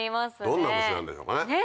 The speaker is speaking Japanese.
どんな虫なんでしょうかね。